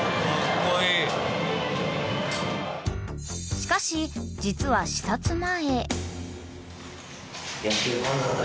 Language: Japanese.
［しかし実は視察前］